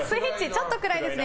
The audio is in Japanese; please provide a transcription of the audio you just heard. ちょっと暗いですね。